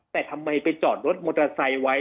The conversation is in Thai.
แต่ทำไมไปจอดรถมอเตอร์ไซค์ไว้